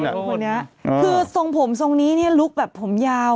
คือทรงผมทรงนี้นี่ลุคแบบผมยาว